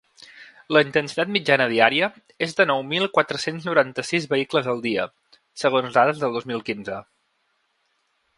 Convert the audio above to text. La intensitat mitjana diària és de nou mil quatre-cents noranta-sis vehicles al dia, segons dades del dos mil quinze.